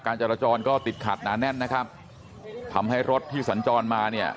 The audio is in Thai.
จรจรก็ติดขัดหนาแน่นนะครับทำให้รถที่สัญจรมาเนี่ย